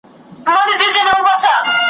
نور پر دوی وه قرآنونه قسمونه `